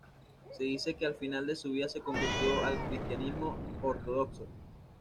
Se dice que al final de su vida se convirtió al cristianismo ortodoxo.